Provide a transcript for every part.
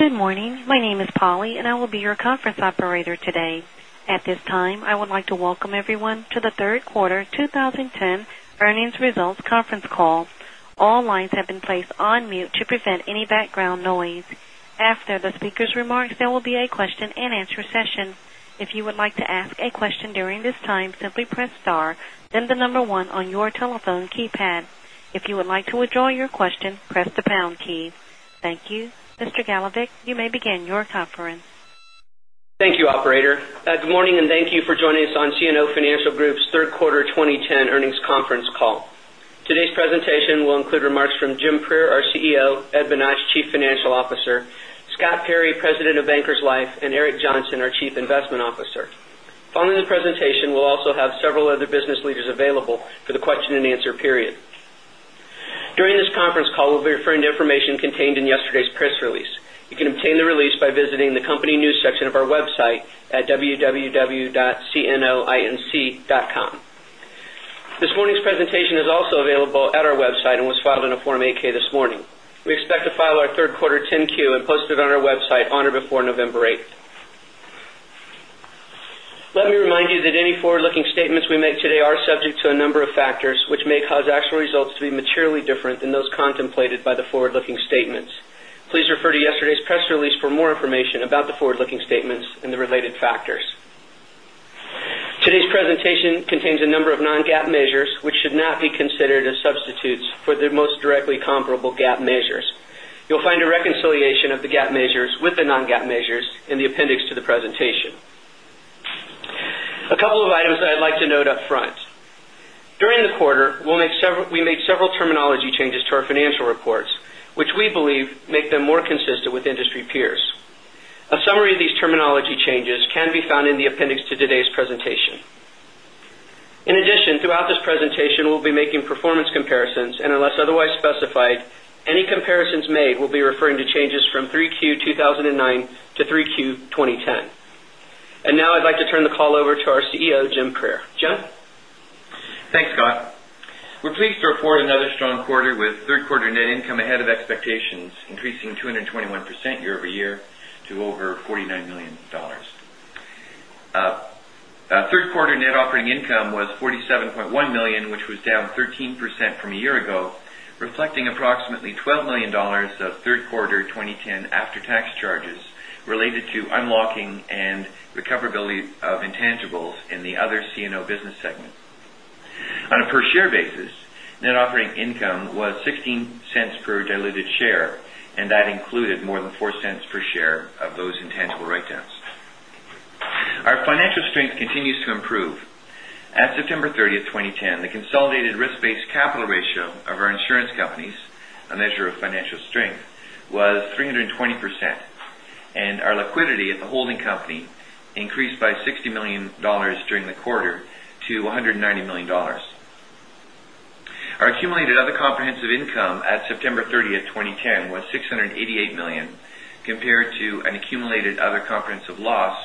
Good morning. My name is Polly, and I will be your conference operator today. At this time, I would like to welcome everyone to the third quarter 2010 earnings results conference call. All lines have been placed on mute to prevent any background noise. After the speaker's remarks, there will be a question-and-answer session. If you would like to ask a question during this time, simply press star, then the number one on your telephone keypad. If you would like to withdraw your question, press the pound key. Thank you. Mr. Galovic, you may begin your conference. Thank you, operator. Good morning, and thank you for joining us on CNO Financial Group's third quarter 2010 earnings conference call. Today's presentation will include remarks from Jim Prieur, our CEO; Ed Bonach, Chief Financial Officer; Scott Perry, President of Bankers Life; and Eric Johnson, our Chief Investment Officer. Following the presentation, we'll also have several other business leaders available for the question-and-answer period. During this conference call, we'll be referring to information contained in yesterday's press release. You can obtain the release by visiting the company news section of our website at www.cnoinc.com. This morning's presentation is also available at our website and was filed in a Form 8-K this morning. We expect to file our third quarter 10-Q and post it on our website on or before November 8th. Let me remind you that any forward-looking statements we make today are subject to a number of factors which may cause actual results to be materially different than those contemplated by the forward-looking statements. Please refer to yesterday's press release for more information about the forward-looking statements and the related factors. Today's presentation contains a number of non-GAAP measures which should not be considered as substitutes for the most directly comparable GAAP measures. You'll find a reconciliation of the GAAP measures with the non-GAAP measures in the appendix to the presentation. A couple of items that I'd like to note upfront. During the quarter, we made several terminology changes to our financial reports, which we believe make them more consistent with industry peers. A summary of these terminology changes can be found in the appendix to today's presentation. In addition, throughout this presentation, we'll be making performance comparisons, and unless otherwise specified, any comparisons made will be referring to changes from 3Q 2009 to 3Q 2010. Now I'd like to turn the call over to our CEO, Jim Prieur. Jim? Thanks, Scott. We're pleased to report another strong quarter with third quarter net income ahead of expectations, increasing 221% year-over-year to over $49 million. Third quarter net operating income was $47.1 million, which was down 13% from a year ago, reflecting approximately $12 million of third quarter 2010 after-tax charges related to unlocking and recoverability of intangibles in the other CNO business segments. On a per share basis, net operating income was $0.16 per diluted share, and that included more than $0.04 per share of those intangible write-downs. Our financial strength continues to improve. At September 30th, 2010, the consolidated risk-based capital ratio of our insurance companies, a measure of financial strength, was 320%, and our liquidity at the holding company increased by $60 million during the quarter to $190 million. Our accumulated other comprehensive income at September 30th, 2010, was $688 million, compared to an accumulated other comprehensive loss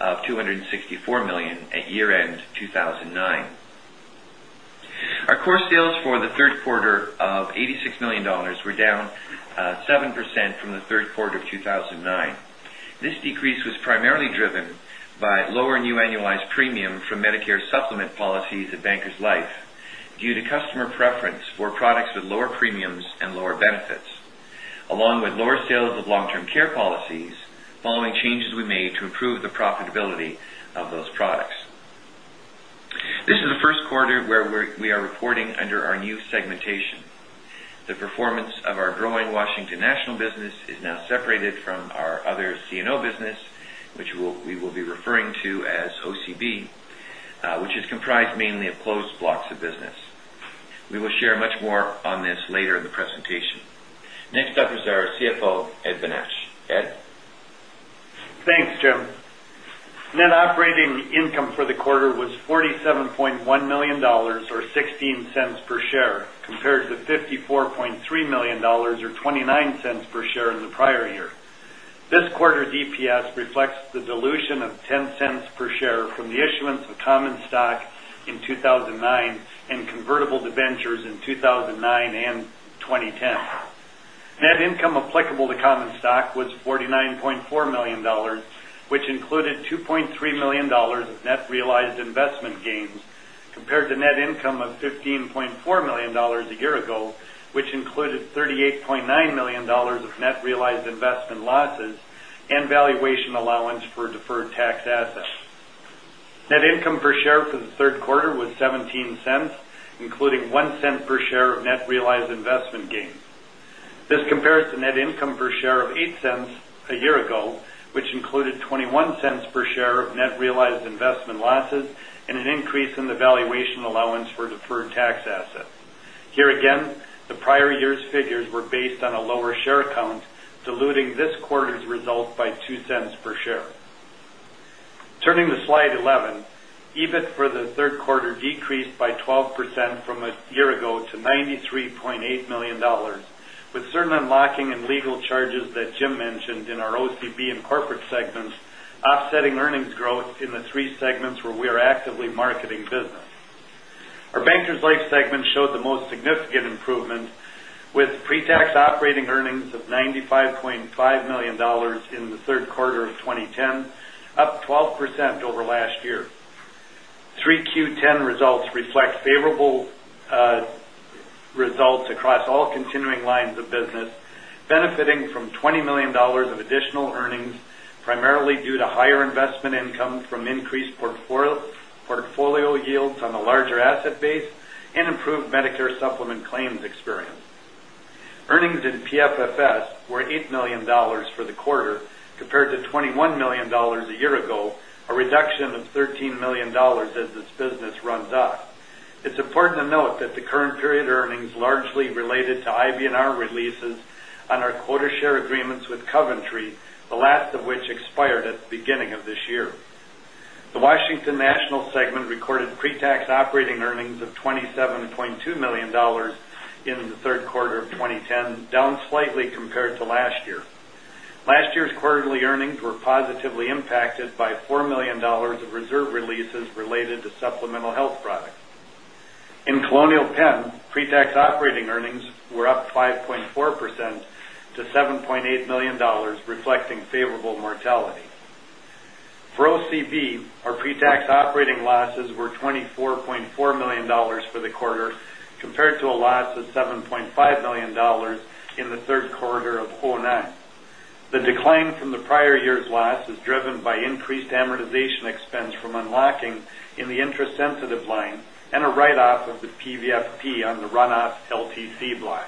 of $264 million at year-end 2009. Our core sales for the third quarter of $86 million were down 7% from the third quarter of 2009. This decrease was primarily driven by lower new annualized premium from Medicare Supplement policies at Bankers Life due to customer preference for products with lower premiums and lower benefits, along with lower sales of long-term care policies following changes we made to improve the profitability of those products. This is the first quarter where we are reporting under our new segmentation. The performance of our growing Washington National business is now separated from our other CNO business, which we will be referring to as OCB, which is comprised mainly of closed blocks of business. We will share much more on this later in the presentation. Next up is our CFO, Ed Bonach. Ed? Thanks, Jim. Net operating income for the quarter was $47.1 million or $0.16 per share compared to $54.3 million or $0.29 per share in the prior year. This quarter DPS reflects the dilution of $0.10 per share from the issuance of common stock in 2009 and convertible debentures in 2009 and 2010. Net income applicable to common stock was $49.4 million, which included $2.3 million of net realized investment gains compared to net income of $15.4 million a year ago, which included $38.9 million of net realized investment losses and valuation allowance for deferred tax assets. Net income per share for the third quarter was $0.17, including $0.01 per share of net realized investment gains. This compares to net income per share of $0.08 a year ago, which included $0.21 per share of net realized investment losses and an increase in the valuation allowance for deferred tax assets. Here again, the prior year's figures were based on a lower share count, diluting this quarter's results by $0.02 per share. Turning to slide 11, EBIT for the third quarter decreased by 12% from a year ago to $93.8 million, with certain unlocking and legal charges that Jim mentioned in our OCB and corporate segments offsetting earnings growth in the three segments where we are actively marketing business. Our Bankers Life segment showed the most significant improvement with pre-tax operating earnings of $95.5 million in the third quarter of 2010, up 12% over last year. 3Q10 results reflect favorable results across all continuing lines of business, benefiting from $20 million of additional earnings, primarily due to higher investment income from increased portfolio yields on the larger asset base and improved Medicare supplement claims experience. Earnings in PFFS were $8 million for the quarter compared to $21 million a year ago, a reduction of $13 million as this business runs off. It's important to note that the current period earnings largely related to IBNR releases on our quota share agreements with Coventry, the last of which expired at the beginning of this year. The Washington National segment recorded pre-tax operating earnings of $27.2 million in the third quarter of 2010, down slightly compared to last year. Last year's quarterly earnings were positively impacted by $4 million of reserve releases related to supplemental health products. In Colonial Penn, pre-tax operating earnings were up 5.4% to $7.8 million, reflecting favorable mortality. For OCB, our pre-tax operating losses were $24.4 million for the quarter, compared to a loss of $7.5 million in the third quarter of 2009. The decline from the prior year's loss is driven by increased amortization expense from unlocking in the interest-sensitive line and a write-off of the PVFP on the run-off LTC block.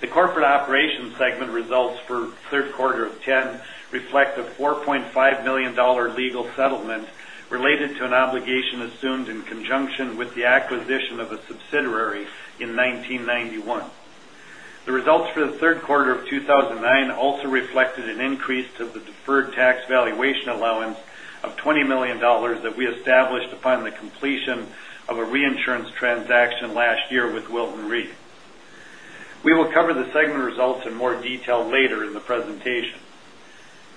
The corporate operations segment results for third quarter of 2010 reflect a $4.5 million legal settlement related to an obligation assumed in conjunction with the acquisition of a subsidiary in 1991. The results for the third quarter of 2009 also reflected an increase to the deferred tax valuation allowance of $20 million that we established upon the completion of a reinsurance transaction last year with Wilton Re. We will cover the segment results in more detail later in the presentation.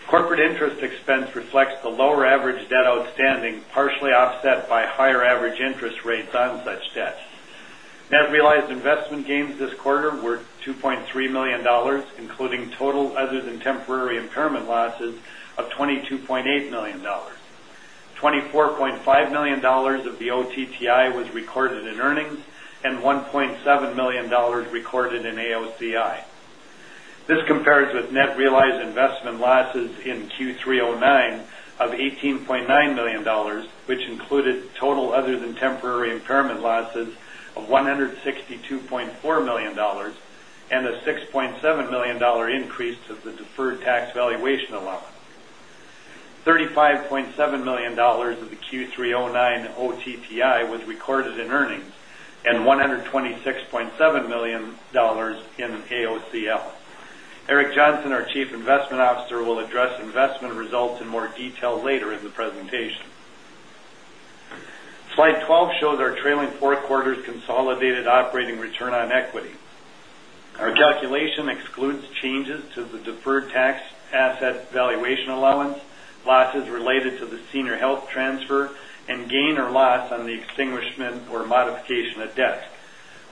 Corporate interest expense reflects the lower average debt outstanding, partially offset by higher average interest rates on such debt. Net realized investment gains this quarter were $2.3 million, including total other than temporary impairment losses of $22.8 million. $24.5 million of the OTTI was recorded in earnings, and $1.7 million recorded in AOCI. This compares with net realized investment losses in Q3 2009 of $18.9 million, which included total other than temporary impairment losses of $162.4 million, and a $6.7 million increase to the deferred tax valuation allowance. $35.7 million of the Q3 2009 OTTI was recorded in earnings and $126.7 million in AOCL. Eric Johnson, our Chief Investment Officer, will address investment results in more detail later in the presentation. Slide 12 shows our trailing four quarters consolidated operating return on equity. Our calculation excludes changes to the deferred tax asset valuation allowance, losses related to the senior health transfer, and gain or loss on the extinguishment or modification of debt.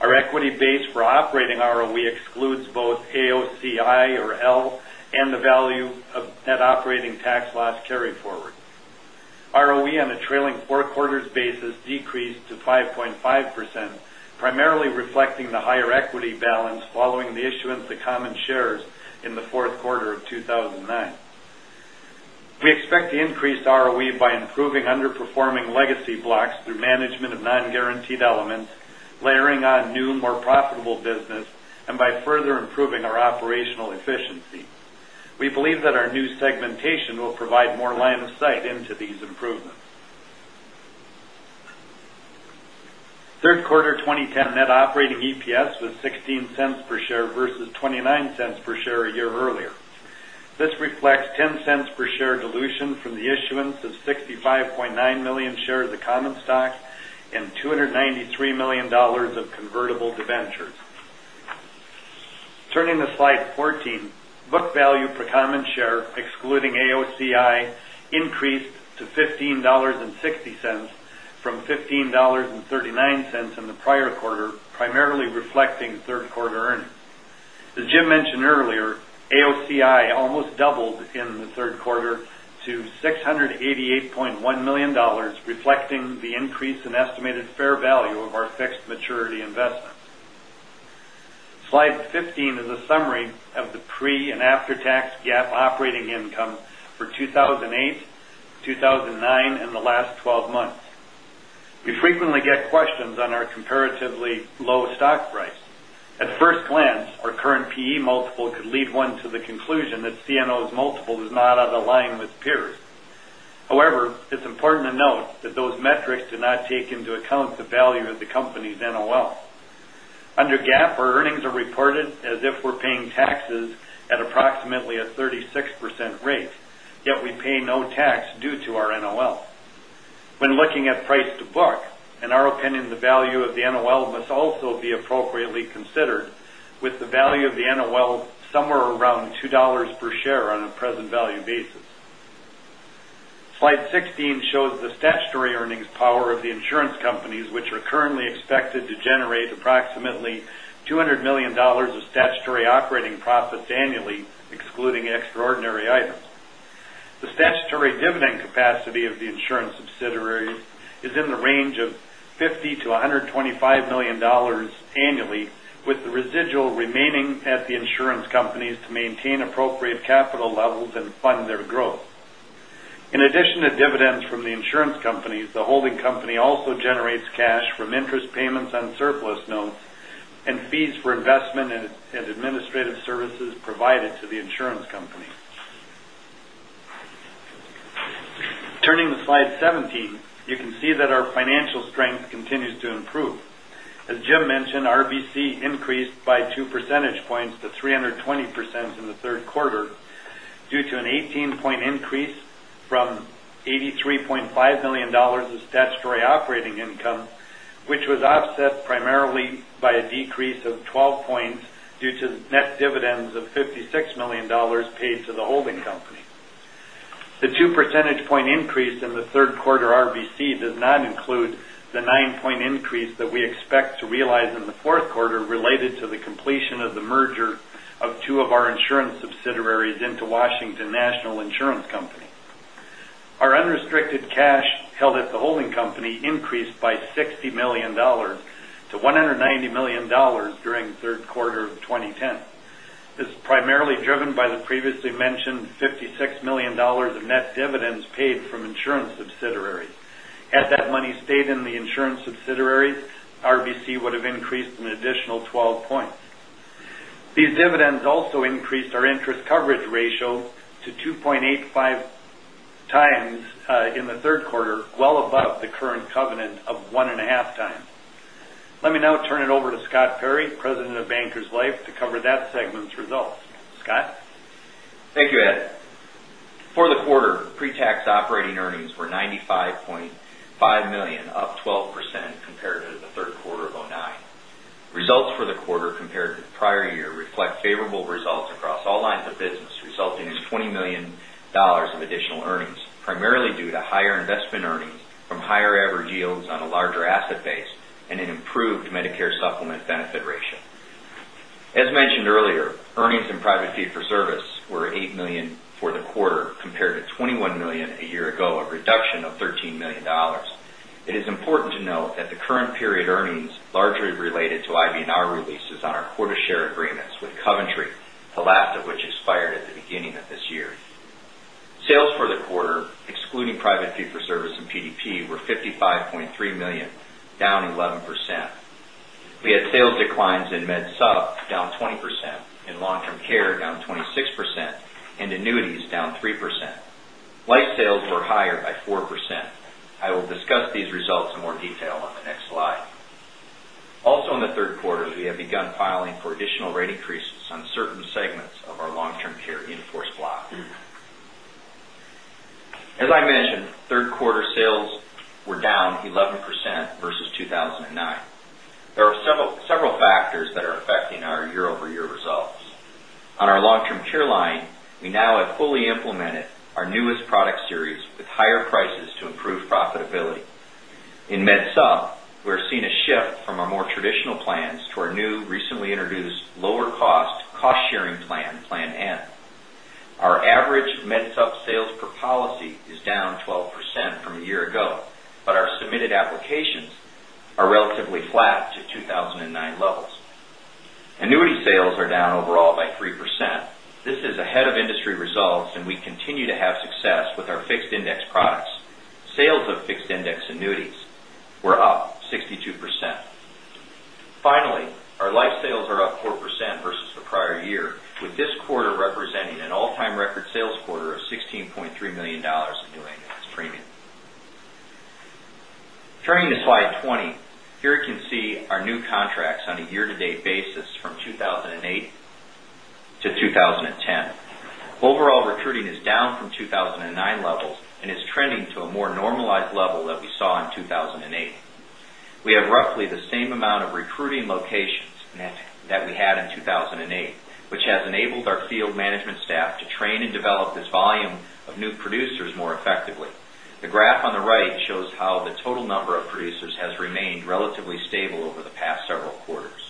Our equity base for operating ROE excludes both AOCI or AOCL and the value of net operating tax loss carried forward. ROE on a trailing 4 quarters basis decreased to 5.5%, primarily reflecting the higher equity balance following the issuance of common shares in the fourth quarter of 2009. We expect to increase ROE by improving underperforming legacy blocks through management of non-guaranteed elements, layering on new, more profitable business, and by further improving our operational efficiency. We believe that our new segmentation will provide more line of sight into these improvements. Third quarter 2010 net operating EPS was $0.16 per share versus $0.29 per share a year earlier. This reflects $0.10 per share dilution from the issuance of 65.9 million shares of common stock and $293 million of convertible debentures. Turning to slide 14, book value per common share, excluding AOCI, increased to $15.60 from $15.39 in the prior quarter, primarily reflecting third quarter earnings. As Jim mentioned earlier, AOCI almost doubled in the third quarter to $688.1 million, reflecting the increase in estimated fair value of our fixed maturity investments. Slide 15 is a summary of the pre and after-tax GAAP operating income for 2008, 2009, and the last 12 months. We frequently get questions on our comparatively low stock price. At first glance, our current P/E multiple could lead one to the conclusion that CNO's multiple is not out of line with peers. It's important to note that those metrics do not take into account the value of the company's NOL. Under GAAP, our earnings are reported as if we're paying taxes at approximately a 36% rate, yet we pay no tax due to our NOL. When looking at price to book, in our opinion, the value of the NOL must also be appropriately considered with the value of the NOL somewhere around $2 per share on a present value basis. Slide 16 shows the statutory earnings power of the insurance companies, which are currently expected to generate approximately $200 million of statutory operating profits annually, excluding extraordinary items. The statutory dividend capacity of the insurance subsidiaries is in the range of $50 million-$125 million annually, with the residual remaining at the insurance companies to maintain appropriate capital levels and fund their growth. In addition to dividends from the insurance companies, the holding company also generates cash from interest payments on surplus notes and fees for investment and administrative services provided to the insurance company. Turning to slide 17, you can see that our financial strength continues to improve. As Jim mentioned, RBC increased by 2 percentage points to 320% in the third quarter due to an 18-point increase from $83.5 million of statutory operating income, which was offset primarily by a decrease of 12 points due to net dividends of $56 million paid to the holding company. The 2 percentage point increase in the third quarter RBC does not include the 9-point increase that we expect to realize in the fourth quarter related to the completion of the merger of 2 of our insurance subsidiaries into Washington National Insurance Company. Our unrestricted cash held at the holding company increased by $60 million to $190 million during the third quarter of 2010. This is primarily driven by the previously mentioned $56 million of net dividends paid from insurance subsidiaries. Had that money stayed in the insurance subsidiaries, RBC would have increased an additional 12 points. These dividends also increased our interest coverage ratio to 2.85 times in the third quarter, well above the current covenant of one and a half times. Let me now turn it over to Scott Perry, President of Bankers Life, to cover that segment's results. Scott? Thank you, Ed. For the quarter, pre-tax operating earnings were $95.5 million, up 12% compared to the third quarter of 2009. Results for the quarter compared to the prior year reflect favorable results across all lines of business, resulting in $20 million of additional earnings, primarily due to higher investment earnings from higher average yields on a larger asset base and an improved Medicare supplement benefit ratio. As mentioned earlier, earnings in private fee for service were $8 million for the quarter, compared to $21 million a year ago, a reduction of $13 million. It is important to note that the current period earnings largely related to IBNR releases on our quota share agreements with Coventry, the last of which expired at the beginning of this year. Sales for the quarter, excluding private fee for service and PDP, were $55.3 million, down 11%. We had sales declines in MedSup, down 20%, in long-term care, down 26%, and annuities, down 3%. Life sales were higher by 4%. I will discuss these results in more detail on the next slide. Also in the third quarter, we have begun filing for additional rate increases on certain segments of our long-term care in-force block. As I mentioned, third quarter sales were down 11% versus 2009. There are several factors that are affecting our year-over-year results. On our long-term care line, we now have fully implemented our newest product series with higher prices to improve profitability. In MedSup, we're seeing a shift from our more traditional plans to our new, recently introduced lower cost-sharing plan, Plan N. Our average MedSup sales per policy is down 12% from a year ago, but our submitted applications are relatively flat to 2009 levels. Annuity sales are down overall by 3%. This is ahead of industry results, and we continue to have success with our fixed index products. Sales of fixed index annuities were up 62%. Finally, our Life sales are up 4% versus the prior year, with this quarter representing an all-time record sales quarter of $16.3 million in new annualized premium. Turning to slide 20, here you can see our new contracts on a year-to-date basis from 2008 to 2010. Overall recruiting is down from 2009 levels and is trending to a more normalized level that we saw in 2008. We have roughly the same amount of recruiting locations that we had in 2008, which has enabled our field management staff to train and develop this volume of new producers more effectively. The graph on the right shows how the total number of producers has remained relatively stable over the past several quarters.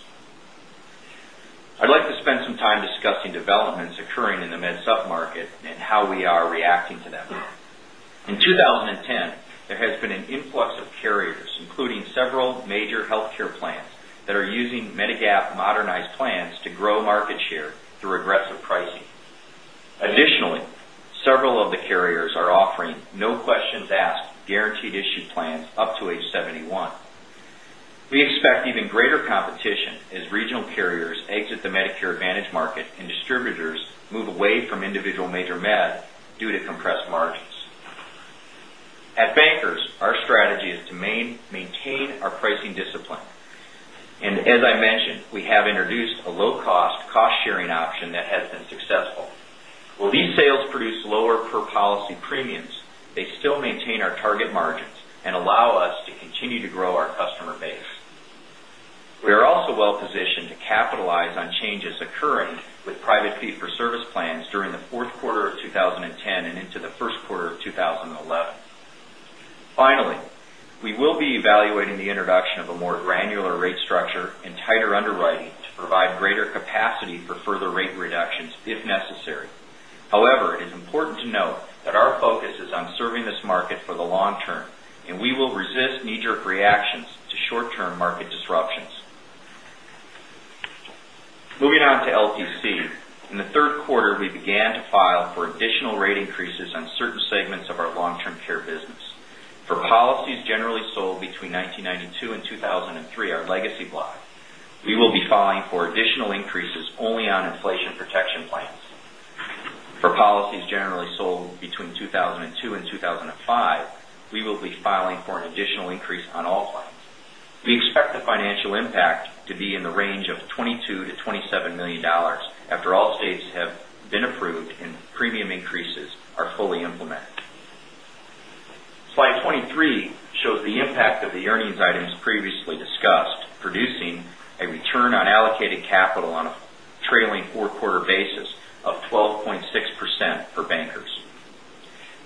I'd like to spend some time discussing developments occurring in the MedSup market and how we are reacting to them. In 2010, there has been an influx of carriers, including several major healthcare plans, that are using Medigap modernized plans to grow market share through aggressive pricing. Additionally, several of the carriers are offering no-questions-asked guaranteed issue plans up to age 71. We expect even greater competition as regional carriers exit the Medicare Advantage market and distributors move away from individual major med due to compressed margins. At Bankers, our strategy is to maintain our pricing discipline. As I mentioned, we have introduced a low-cost cost-sharing option that has been successful. While these sales produce lower per-policy premiums, they still maintain our target margins and allow us to continue to grow our customer base. We are also well-positioned to capitalize on changes occurring with private fee-for-service plans during the fourth quarter of 2010 and into the first quarter of 2011. Finally, we will be evaluating the introduction of a more granular rate structure and tighter underwriting to provide greater capacity for further rate reductions if necessary. However, it is important to note that our focus is on serving this market for the long term, and we will resist knee-jerk reactions to short-term market disruptions. Moving on to LTC. In the third quarter, we began to file for additional rate increases on certain segments of our long-term care business. For policies generally sold between 1992 and 2003, our legacy block, we will be filing for additional increases only on inflation protection plans. For policies generally sold between 2002 and 2005, we will be filing for an additional increase on all plans. We expect the financial impact to be in the range of $22 million-$27 million after all states have been approved and premium increases are fully implemented. Slide 23 shows the impact of the earnings items previously discussed, producing a return on allocated capital on a trailing four-quarter basis of 12.6% for Bankers.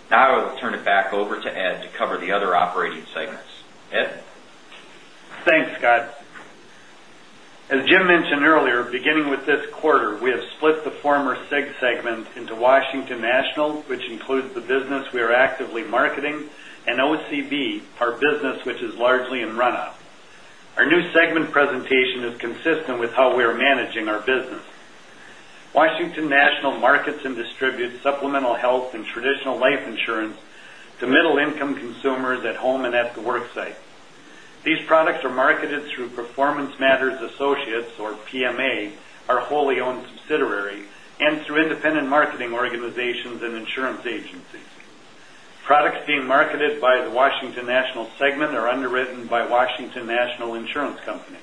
Now I will turn it back over to Ed to cover the other operating segments. Ed? Thanks, Scott. As Jim mentioned earlier, beginning with this quarter, we have split the former SIG segment into Washington National, which includes the business we are actively marketing, and OCB, our business which is largely in run-off. Our new segment presentation is consistent with how we are managing our business. Washington National markets and distributes supplemental health and traditional life insurance to middle-income consumers at home and at the work site. These products are marketed through Performance Matters Associates, or PMA, our wholly owned subsidiary, and through independent marketing organizations and insurance agencies. Products being marketed by the Washington National segment are underwritten by Washington National Insurance Company.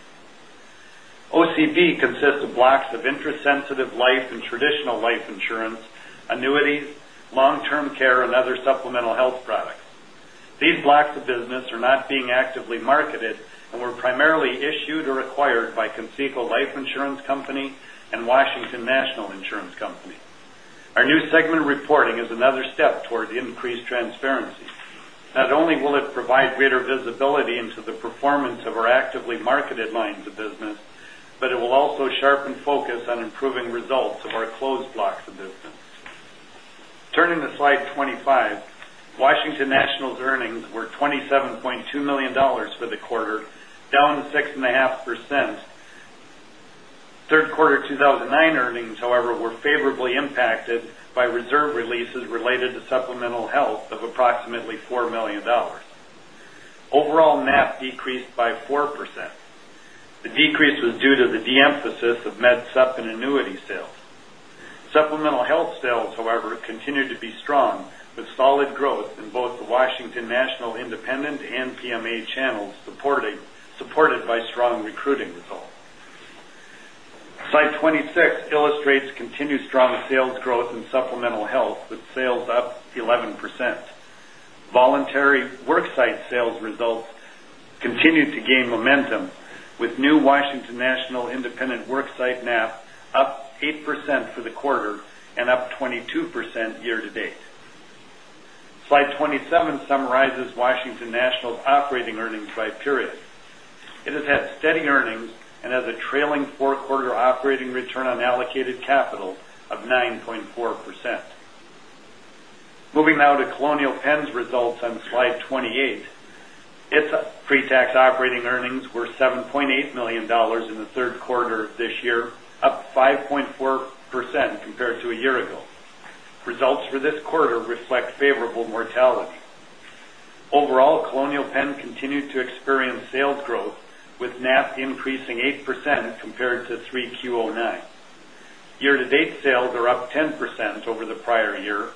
OCB consists of blocks of interest-sensitive life and traditional life insurance, annuities, long-term care, and other supplemental health products. These blocks of business are not being actively marketed and were primarily issued or acquired by Conseco Life Insurance Company and Washington National Insurance Company. Our new segment reporting is another step toward increased transparency. Not only will it provide greater visibility into the performance of our actively marketed lines of business, but it will also sharpen focus on improving results of our closed blocks of business. Turning to slide 25, Washington National's earnings were $27.2 million for the quarter, down 6.5%. Third quarter 2009 earnings, however, were favorably impacted by reserve releases related to supplemental health of approximately $4 million. Overall, NAP decreased by 4%. The decrease was due to the de-emphasis of MedSup and annuity sales. Supplemental health sales, however, continued to be strong, with solid growth in both the Washington National Independent and PMA channels, supported by strong recruiting results. Slide 26 illustrates continued strong sales growth in supplemental health, with sales up 11%. Voluntary work site sales results continued to gain momentum, with new Washington National Independent work site NAP up 8% for the quarter and up 22% year-to-date. Slide 27 summarizes Washington National's operating earnings by period. It has had steady earnings and has a trailing four-quarter operating return on allocated capital of 9.4%. Moving now to Colonial Penn's results on slide 28. Its pre-tax operating earnings were $7.8 million in the third quarter of this year, up 5.4% compared to a year ago. Results for this quarter reflect favorable mortality. Overall, Colonial Penn continued to experience sales growth, with NAP increasing 8% compared to 3Q09. Year-to-date sales are up 10% over the prior year,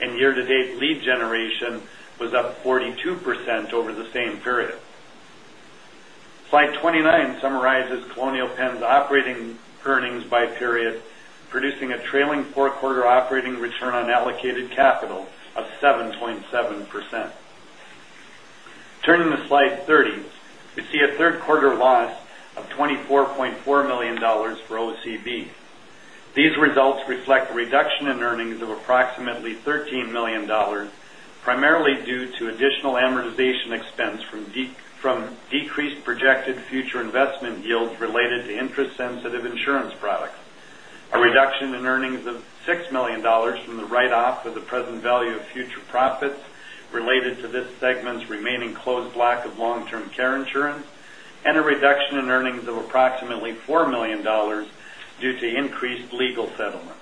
and year-to-date lead generation was up 42% over the same period. Slide 29 summarizes Colonial Penn's operating earnings by period, producing a trailing four-quarter operating return on allocated capital of 7.7%. Turning to slide 30, we see a third quarter loss of $24.4 million for OCB. These results reflect a reduction in earnings of approximately $13 million, primarily due to additional amortization expense from decreased projected future investment yields related to interest-sensitive insurance products, a reduction in earnings of $6 million from the write-off of the present value of future profits related to this segment's remaining closed block of long-term care insurance, and a reduction in earnings of approximately $4 million due to increased legal settlements.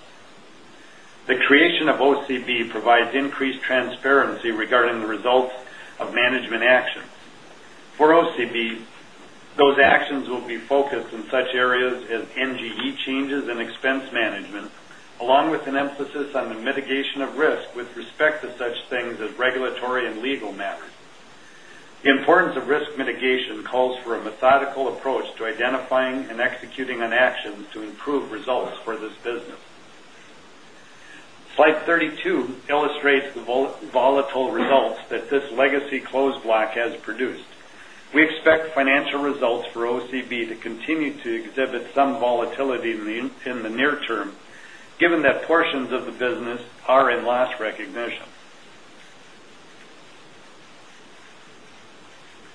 The creation of OCB provides increased transparency regarding the results of management actions. For OCB, those actions will be focused in such areas as NGE changes and expense management, along with an emphasis on the mitigation of risk with respect to such things as regulatory and legal matters. The importance of risk mitigation calls for a methodical approach to identifying and executing on actions to improve results for this business. Slide 32 illustrates the volatile results that this legacy closed block has produced. We expect financial results for OCB to continue to exhibit some volatility in the near term, given that portions of the business are in loss recognition.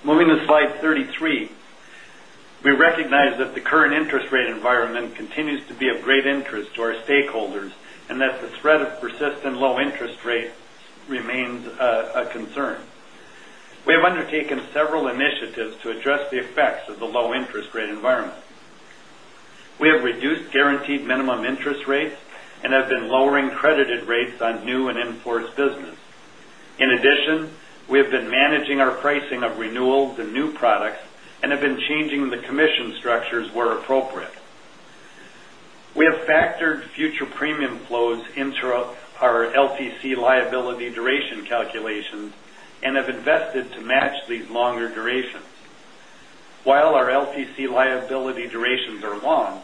Moving to slide 33. We recognize that the current interest rate environment continues to be of great interest to our stakeholders, and that the threat of persistent low interest rates remains a concern. We have undertaken several initiatives to address the effects of the low interest rate environment. We have reduced guaranteed minimum interest rates and have been lowering credited rates on new and in-force business. In addition, we have been managing our pricing of renewals and new products and have been changing the commission structures where appropriate. We have factored future premium flows into our LTC liability duration calculations and have invested to match these longer durations. While our LTC liability durations are long,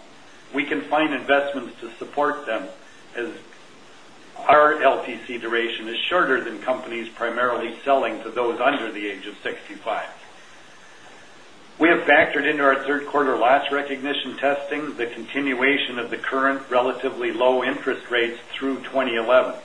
we can find investments to support them, as our LTC duration is shorter than companies primarily selling to those under the age of 65. We have factored into our third quarter loss recognition testing the continuation of the current relatively low interest rates through 2011.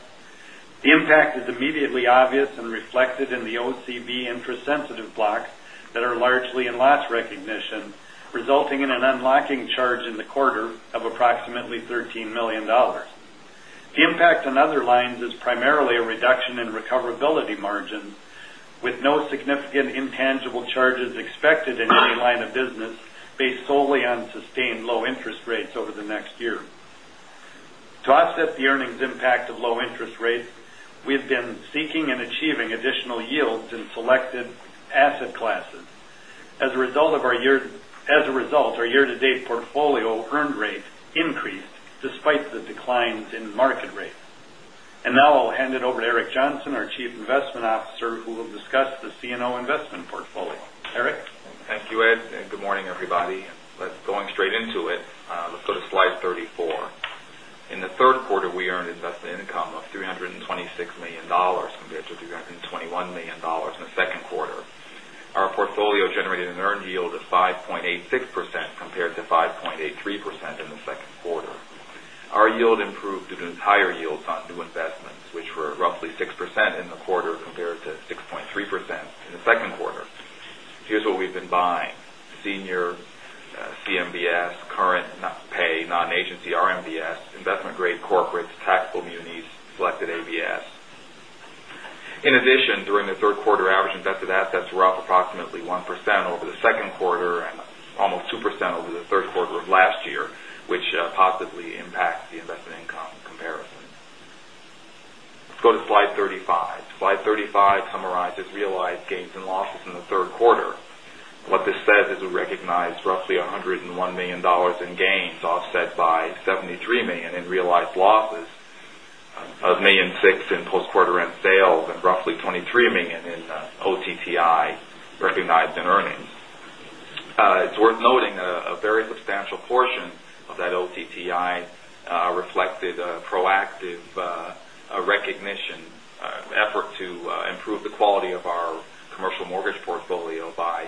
The impact is immediately obvious and reflected in the OCB interest-sensitive blocks that are largely in loss recognition, resulting in an unlocking charge in the quarter of approximately $13 million. The impact on other lines is primarily a reduction in recoverability margins, with no significant intangible charges expected in any line of business based solely on sustained low interest rates over the next year. To offset the earnings impact of low interest rates, we have been seeking and achieving additional yields in selected asset classes. As a result, our year-to-date portfolio earned rates increased despite the declines in market rates. Now I'll hand it over to Eric Johnson, our Chief Investment Officer, who will discuss the CNO investment portfolio. Eric? Thank you, Ed, good morning, everybody. Let's go straight into it. Let's go to slide 34. In the third quarter, we earned investment income of $326 million compared to $321 million in the second quarter. Our portfolio generated an earned yield of 5.86% compared to 5.83% in the second quarter. Our yield improved due to higher yields on new investments, which were roughly 6% in the quarter compared to 6.3% in the second quarter. Here's what we've been buying. Senior CMBS, current pay non-agency RMBS, investment-grade corporates, taxable munis, selected ABS. In addition, during the third quarter, average invested assets were up approximately 1% over the second quarter and almost 2% over the third quarter of last year, which positively impacts the investment income comparison. Let's go to slide 35. Slide 35 summarizes realized gains and losses in the third quarter. What this says is we recognized roughly $101 million in gains, offset by $73 million in realized losses, of $1.6 million in post-quarter end sales, and roughly $23 million in OTTI recognized in earnings. It's worth noting a very substantial portion of that OTTI reflected a proactive recognition effort to improve the quality of our commercial mortgage portfolio by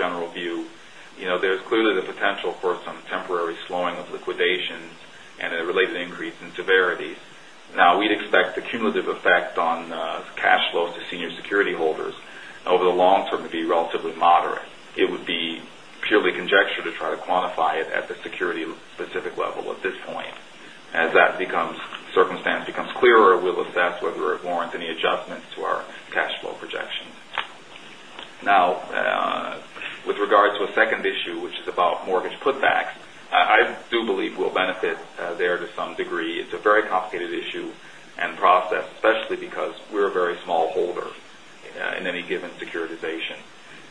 general note in regards to non-agencies. The various issues around mortgage foreclosures have been very widely publicized. Since we've had some questions about this, here's our general view. There's clearly the potential for some temporary slowing of liquidations and a related increase in severities. We'd expect the cumulative effect on cash flows to senior security holders over the long term to be relatively moderate. It would be purely conjecture to try to quantify it at the security-specific level at this point. As that circumstance becomes clearer, we'll assess whether it warrants any adjustments to our cash flow projections. With regard to a second issue, which is about mortgage putbacks, I do believe we'll benefit there to some degree. It's a very complicated issue and process, especially because we're a very small holder in any given securitization.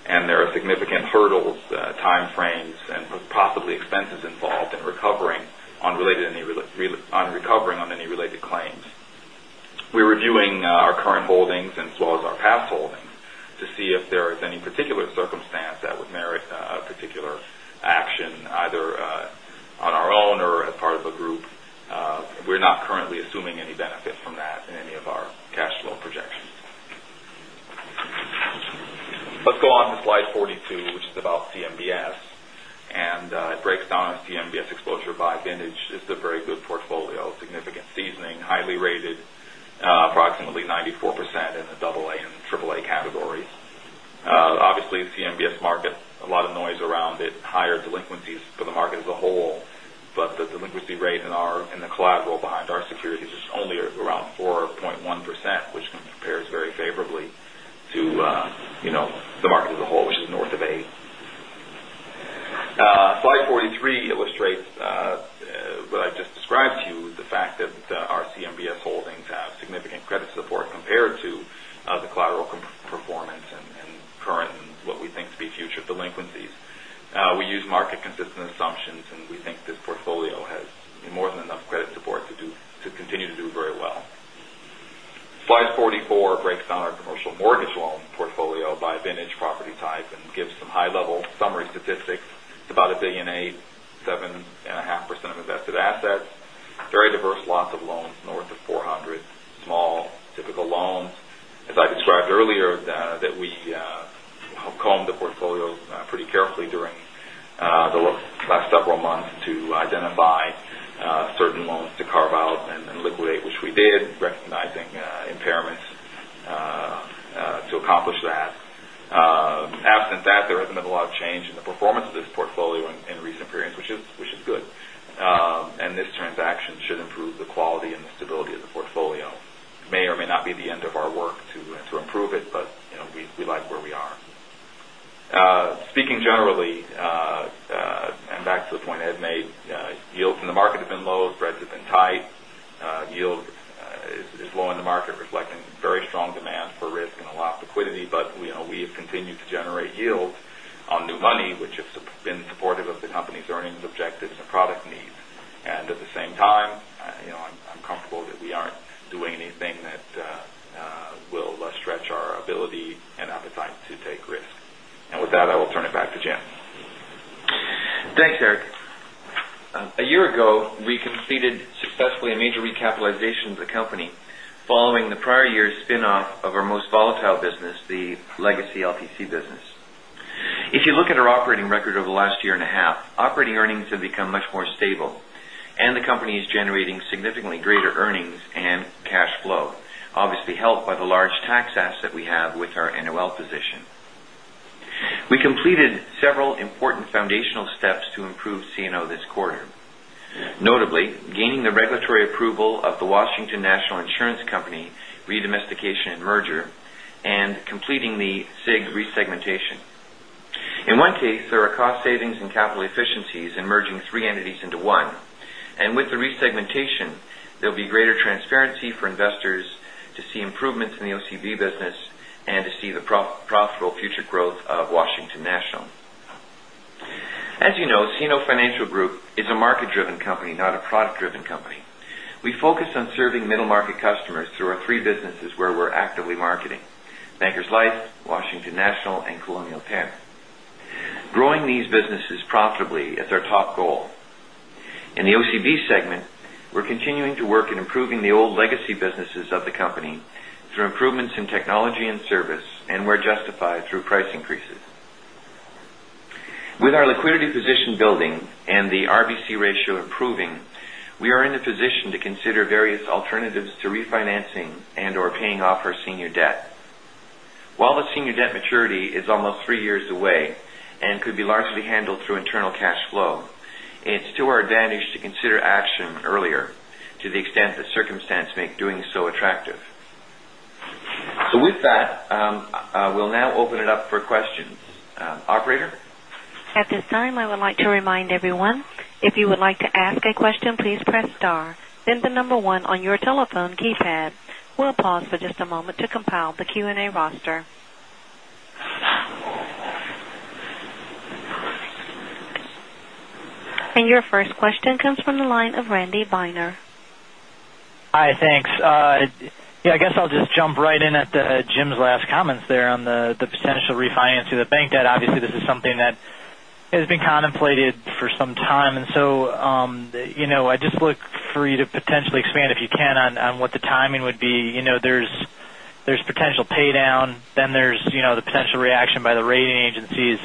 There are significant hurdles, time frames, and possibly expenses involved on recovering on any related claims. We're reviewing our current holdings as well as our past holdings to see if there is any particular circumstance that would merit a particular action, either on our own or as part of a group. We're not currently assuming any benefit from that in any of our cash flow projections. Let's go on to slide 42, which is about CMBS. It breaks down our CMBS exposure by vintage. This is a very good portfolio, significant seasoning, highly rated, approximately 94% in the double A and triple A categories. Obviously, the CMBS market, a lot of noise around it, higher delinquencies for the market as a whole, but the delinquency rate in the collateral behind our securities is only around 4.1%, which compares very favorably to the market as a If you look at our operating record over the last year and a half, operating earnings have become much more stable, and the company is generating significantly greater earnings and cash flow, obviously helped by the large tax asset we have with our NOL position. We completed several important foundational steps to improve CNO this quarter. Notably, gaining the regulatory approval of the Washington National Insurance Company re-domestication and merger, and completing the SIG re-segmentation. In one case, there are cost savings and capital efficiencies in merging three entities into one. With the re-segmentation, there'll be greater transparency for investors to see improvements in the OCB business and to see the profitable future growth of Washington National. As you know, CNO Financial Group is a market-driven company, not a product-driven company. We focus on serving middle-market customers through our three businesses where we are actively marketing: Bankers Life, Washington National, and Colonial Penn. Growing these businesses profitably is our top goal. In the OCB segment, we are continuing to work in improving the old legacy businesses of the company through improvements in technology and service, and where justified, through price increases. With our liquidity position building and the RBC ratio improving, we are in a position to consider various alternatives to refinancing and/or paying off our senior debt. While the senior debt maturity is almost three years away and could be largely handled through internal cash flow, it is to our advantage to consider action earlier to the extent that circumstance make doing so attractive. With that, I will now open it up for questions. Operator? At this time, I would like to remind everyone, if you would like to ask a question, please press star, then the number one on your telephone keypad. We will pause for just a moment to compile the Q&A roster. Your first question comes from the line of Randy Binner. Hi, thanks. I guess I will just jump right in at Jim's last comments there on the potential refinance of the bank debt. Obviously, this is something that has been contemplated for some time. I just look for you to potentially expand, if you can, on what the timing would be. There is potential pay down, then there is the potential reaction by the rating agencies.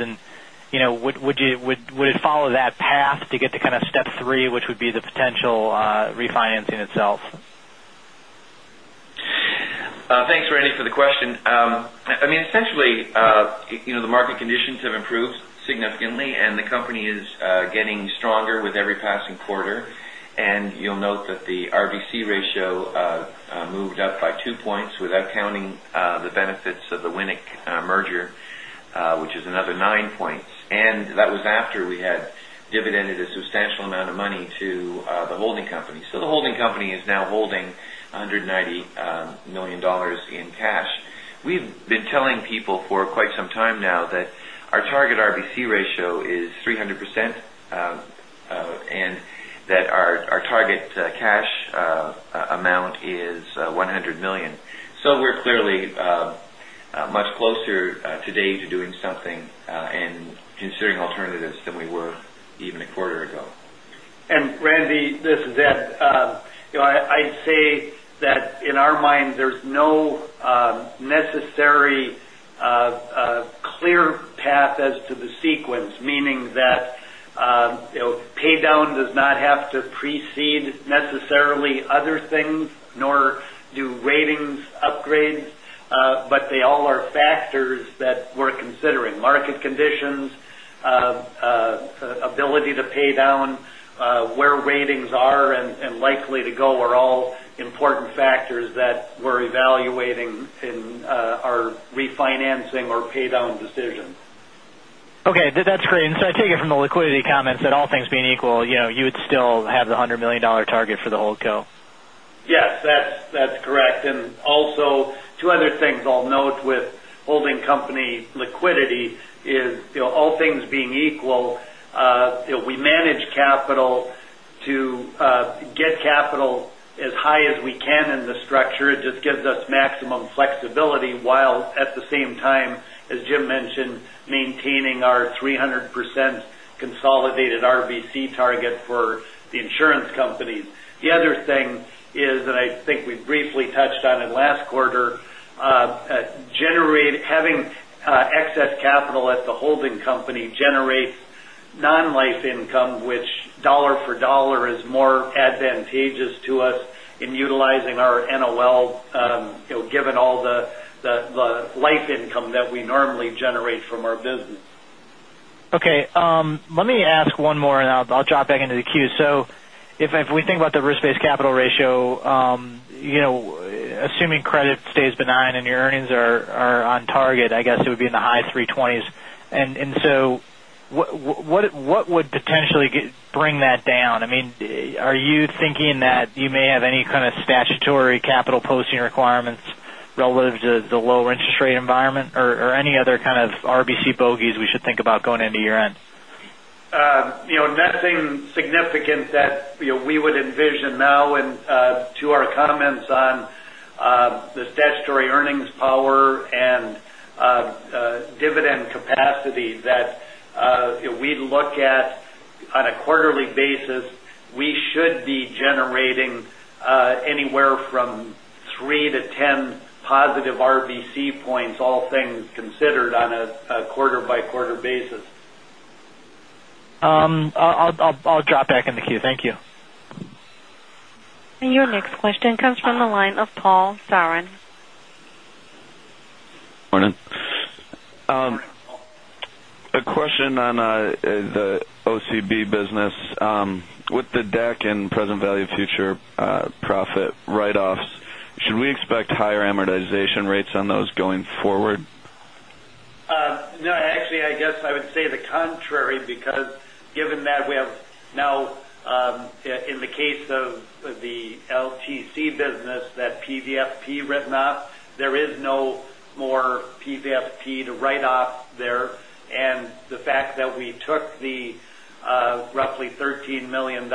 Would it follow that path to get to kind of step 3, which would be the potential refinancing itself? Thanks, Randy, for the question. Essentially, the market conditions have improved significantly, and the company is getting stronger with every passing quarter. You will note that the RBC ratio moved up by two points without counting the benefits of the WNIC merger, which is another nine points. That was after we had dividended a substantial amount of money to the holding company. So the holding company is now holding $190 million in cash. We have been telling people for quite some time now that our target RBC ratio is 300%, and that our target cash amount is $100 million. So we are clearly much closer today to doing something and considering alternatives than we were even a quarter ago. Randy, this is Ed. I'd say that in our mind, there's no necessary clear path as to the sequence, meaning that pay down does not have to precede necessarily other things, nor do ratings upgrades. They all are factors that we're considering. Market conditions, ability to pay down, where ratings are and likely to go are all important factors that we're evaluating in our refinancing or pay down decisions. Okay, that's great. I take it from the liquidity comments that all things being equal, you would still have the $100 million target for the holdco. Yes, that's correct. Also two other things I'll note with holding company liquidity is, all things being equal, we manage capital to get capital as high as we can in the structure. It just gives us maximum flexibility, while at the same time, as Jim mentioned, maintaining our 300% consolidated RBC target for the insurance companies. The other thing is, I think we briefly touched on it last quarter, having excess capital at the holding company generates non-life income, which dollar for dollar is more advantageous to us in utilizing our NOL, given all the life income that we normally generate from our business. Okay. Let me ask one more and I'll drop back into the queue. If we think about the risk-based capital ratio, assuming credit stays benign and your earnings are on target, I guess it would be in the high 320s. What would potentially bring that down? Are you thinking that you may have any kind of statutory capital posting requirements relative to the lower interest rate environment or any other kind of RBC bogeys we should think about going into year-end? Nothing significant that we would envision now. To our comments on the statutory earnings power and dividend capacity that we look at on a quarterly basis, we should be generating anywhere from three to 10 positive RBC points, all things considered, on a quarter-by-quarter basis. I'll drop back in the queue. Thank you. Your next question comes from the line of Paul Surlis. Morning. A question on the OCB business. With the DAC and present value future profit write-offs, should we expect higher amortization rates on those going forward? No, actually, I guess I would say the contrary, because given that we have now, in the case of the LTC business, that PVFP written off, there is no more PVFP to write off there. The fact that we took the roughly $13 million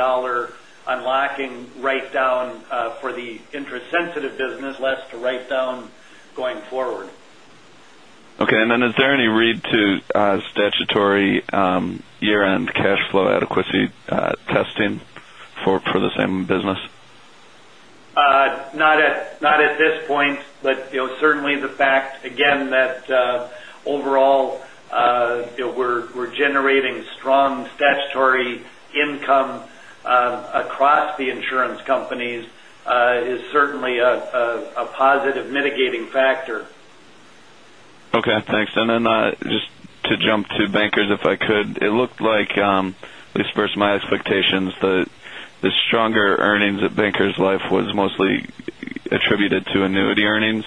unlocking write down for the interest-sensitive business, less to write down going forward. Okay. Is there any read to statutory year-end cash flow adequacy testing for the same business? Not at this point, but certainly the fact, again, that overall we're generating strong statutory income across the insurance companies is certainly a positive mitigating factor. Okay, thanks. Just to jump to Bankers Life, if I could, it looked like, at least versus my expectations, the stronger earnings at Bankers Life was mostly attributed to annuity earnings.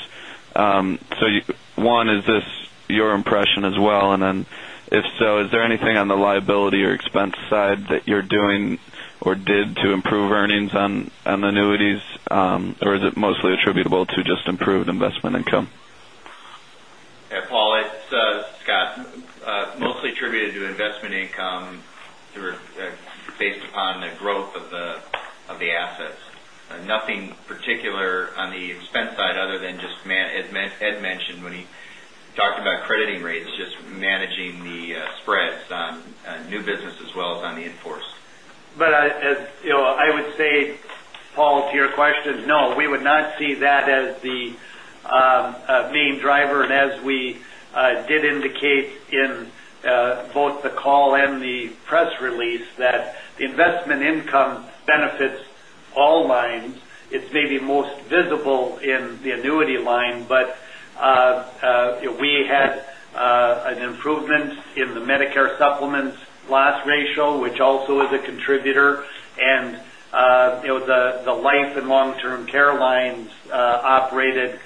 One, is this your impression as well, and then if so, is there anything on the liability or expense side that you're doing or did to improve earnings on annuities, or is it mostly attributable to just improved investment income? Yeah, Paul, it's Scott. Mostly attributed to investment income based upon the growth of the assets. Nothing particular on the expense side other than just as Ed mentioned when he talked about crediting rates, just managing the spreads on new business as well as on the in-force. I would say, Paul, to your question, no, we would not see that as the main driver, and as we did indicate in both the call and the press release that the investment income benefits all lines. It's maybe most visible in the annuity line, but we had an improvement in the Medicare supplements loss ratio, which also is a contributor. The life and long-term care lines operated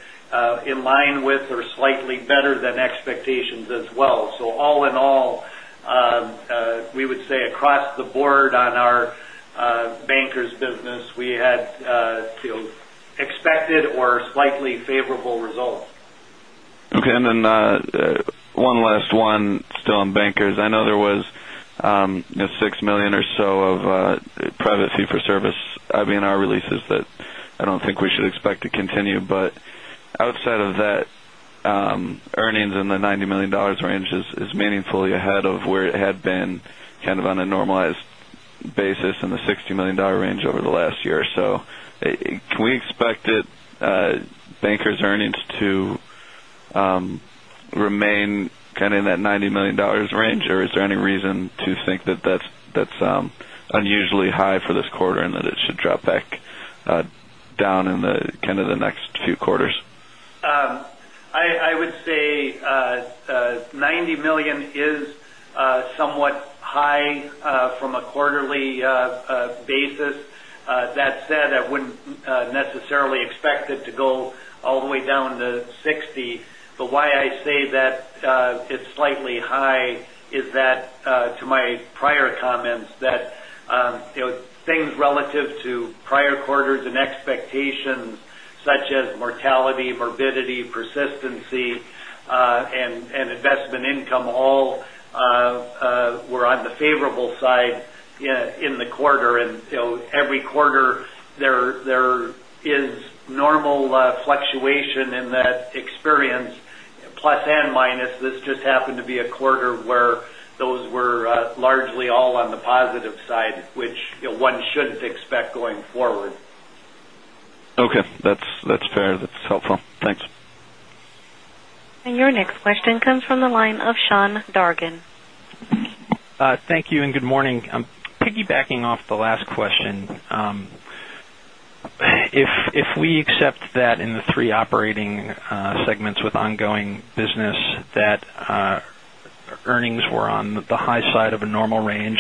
in line with or slightly better than expectations as well. All in all, we would say across the board on our Bankers business, we had expected or slightly favorable results. Okay. One last one still on Bankers. I know there was $6 million or so of private fee for service IBNR releases that I don't think we should expect to continue, but outside of that, earnings in the $90 million range is meaningfully ahead of where it had been kind of on a normalized basis in the $60 million range over the last year or so. Can we expect Bankers earnings to remain kind of in that $90 million range, or is there any reason to think that that's unusually high for this quarter and that it should drop back down in the next two quarters? I would say $90 million is somewhat high from a quarterly basis. That said, I wouldn't necessarily expect it to go all the way down to $60. Why I say that it's slightly high is that to my prior comments that things relative to prior quarters and expectations such as mortality, morbidity, persistency, and investment income all were on the favorable side in the quarter. Every quarter, there is normal fluctuation in that experience, plus and minus. This just happened to be a quarter where those were largely all on the positive side, which one shouldn't expect going forward. Okay. That's fair. That's helpful. Thanks. Your next question comes from the line of Sean Dargan. Thank you and good morning. Piggybacking off the last question. If we accept that in the three operating segments with ongoing business that earnings were on the high side of a normal range,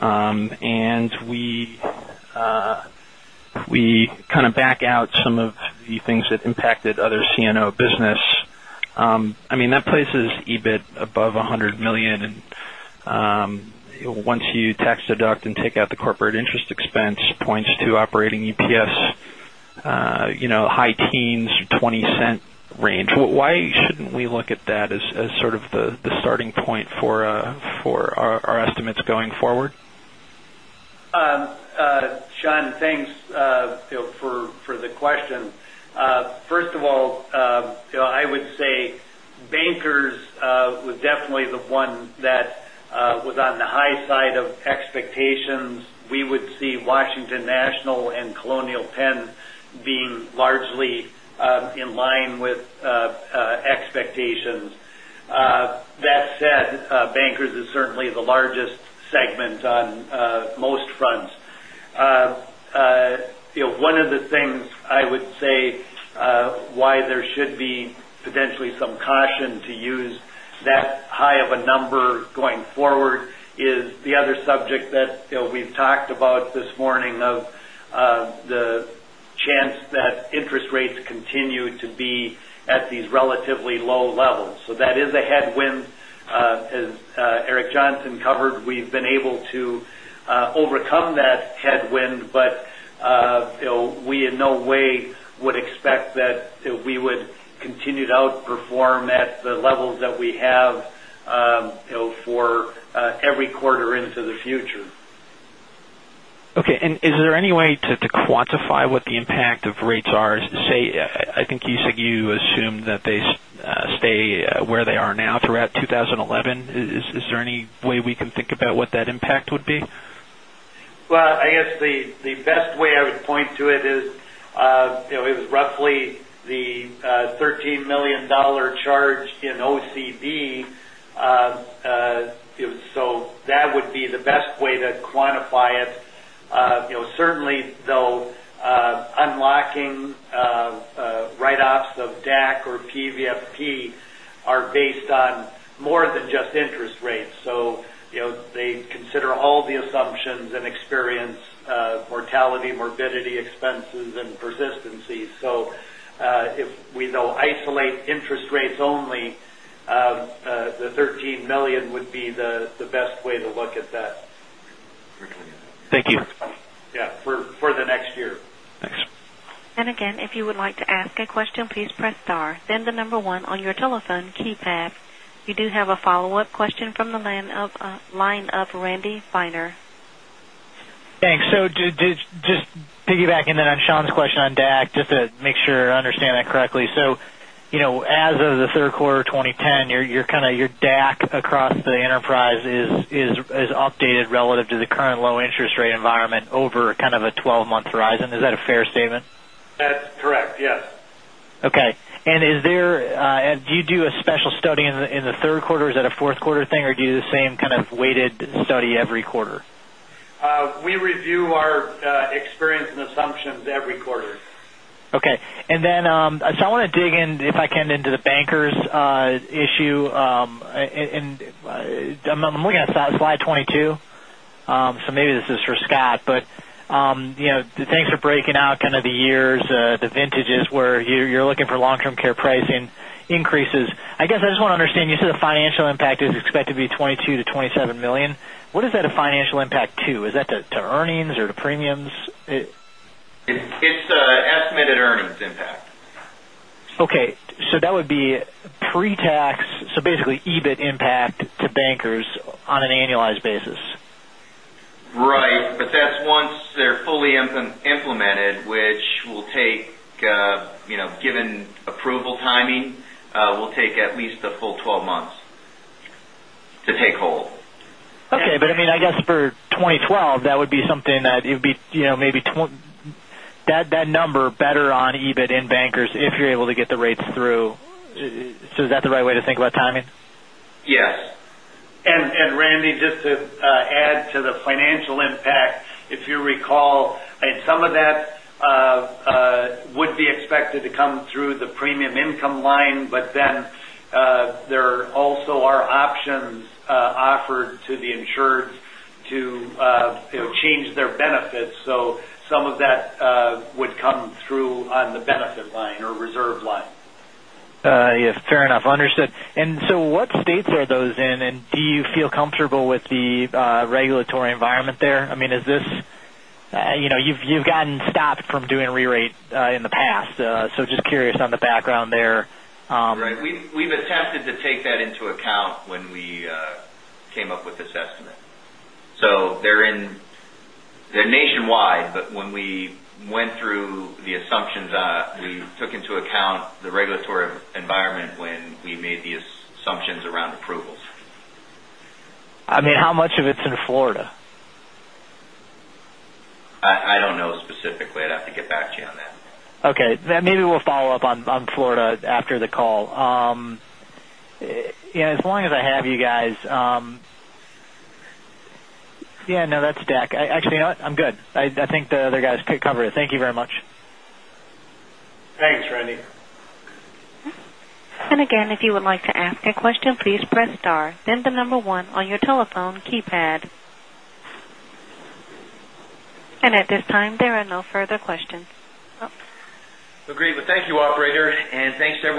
and we kind of back out some of the things that impacted other CNO business, that places EBIT above $100 million and once you tax deduct and take out the corporate interest expense points to operating EPS, high teens, $0.20 range. Why shouldn't we look at that as sort of the starting point for our estimates going forward? Sean, thanks for the question. First of all, I would say Bankers was definitely the one that was on the high side of expectations. We would see Washington National and Colonial Penn being largely in line with expectations. That said, Bankers is certainly the largest segment on most fronts. One of the things I would say why there should be potentially some caution to use that high of a number going forward is the other subject that we've talked about this morning of the chance that interest rates continue to be at these relatively low levels. As Eric Johnson covered, we've been able to overcome that headwind, but we in no way would expect that we would continue to outperform at the levels that we have for every quarter into the future. Okay. Is there any way to quantify what the impact of rates are? I think you said you assume that they stay where they are now throughout 2011. Is there any way we can think about what that impact would be? Well, I guess the best way I would point to it is, it was roughly the $13 million charge in OCB. That would be the best way to quantify it. Certainly though, unlocking write-offs of DAC or PVFP are based on more than just interest rates. They consider all the assumptions and experience, mortality, morbidity, expenses, and persistency. If we though isolate interest rates only, the $13 million would be the best way to look at that. Thank you. Yeah. For the next year. Thanks. Again, if you would like to ask a question, please press star, then the number one on your telephone keypad. You do have a follow-up question from the line of Randy Binner. Thanks. Just to piggyback and then on Sean's question on DAC, just to make sure I understand that correctly. As of the third quarter of 2010, your DAC across the enterprise is updated relative to the current low interest rate environment over a 12-month horizon. Is that a fair statement? That's correct, yes. Okay. Do you do a special study in the third quarter? Is that a fourth quarter thing, or do you do the same kind of weighted study every quarter? We review our experience and assumptions every quarter. Okay. I want to dig in, if I can, into the Bankers issue. I'm looking at slide 22. Maybe this is for Scott. Thanks for breaking out kind of the years, the vintages where you're looking for long-term care pricing increases. I guess I just want to understand, you said the financial impact is expected to be $22 million-$27 million. What is that a financial impact to? Is that to earnings or to premiums? It's estimated earnings impact. Okay. That would be pre-tax, so basically EBIT impact to Bankers on an annualized basis. Right. That's once they're fully implemented, which given approval timing, will take at least a full 12 months to take hold. Okay. I guess for 2012, that would be something that it would be maybe that number better on EBIT in Bankers Life if you're able to get the rates through. Is that the right way to think about timing? Yes. Randy, just to add to the financial impact, if you recall, some of that would be expected to come through the premium income line, but then there also are options offered to the insured to change their benefits. Some of that would come through on the benefit line or reserve line. Yes. Fair enough. Understood. What states are those in, and do you feel comfortable with the regulatory environment there? You've gotten stopped from doing a rerate in the past. Just curious on the background there. Right. We've attempted to take that into account when we came up with this estimate. They're nationwide, but when we went through the assumptions, we took into account the regulatory environment when we made the assumptions around approvals. How much of it's in Florida? I don't know specifically. I'd have to get back to you on that. Okay. Maybe we'll follow up on Florida after the call. As long as I have you guys. Yeah, no, that's DAC. Actually, you know what? I'm good. I think the other guys could cover it. Thank you very much. Thanks, Randy. Again, if you would like to ask a question, please press star, then the number one on your telephone keypad. At this time, there are no further questions. Agree. Well, thank you, operator, and thanks to everyone.